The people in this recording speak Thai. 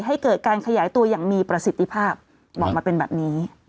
ให้เกิดการขยายตัวอย่างมีประสิทธิภาพบอกมาเป็นแบบนี้